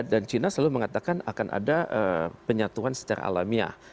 dan cina selalu mengatakan akan ada penyatuan secara alamiah